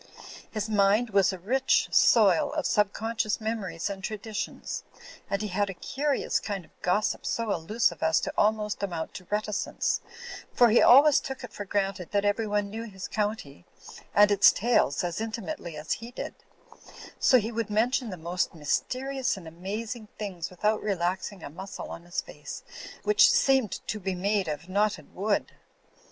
His mind was a rich soil of subconscious memories and traditions; and he had a curious kind of gossip so allusive as to almost amount to reticence ; for he always took it for granted that everyone knew his county and its tales as intimately as he did ; so he would mention the most mysterious and amazing things without relaxing a muscle on his face, which seemed to be made of knot ted wood.